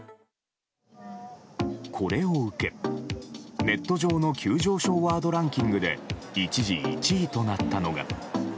これを受け、ネット上の急上昇ワードランキングで一時、１位となったのが。